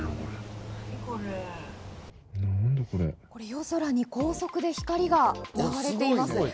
夜空に高速で光が流れています。